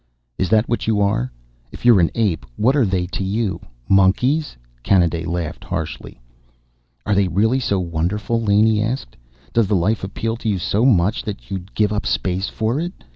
"Is that what you are? If you're an ape, what are they to you? Monkeys?" Kanaday laughed harshly. "Are they really so wonderful?" Laney asked. "Does the life appeal to you so much that you'll give up space for it?